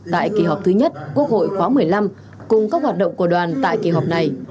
tại kỳ họp thứ nhất quốc hội khóa một mươi năm cùng các hoạt động của đoàn tại kỳ họp này